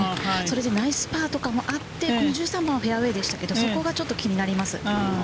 それでナイスパーとかもあって、１３番はフェアウエーでしたけれども、そこがちょっと気になります。